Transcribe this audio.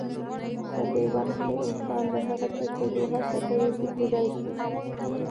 په دې وخت کې انسان د هغه څه کېدو هڅه کوي چې کېدای شي.